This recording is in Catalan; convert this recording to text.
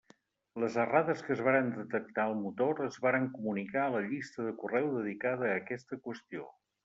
Les errades que es varen detectar al motor es varen comunicar a la llista de correu dedicada a aquesta qüestió.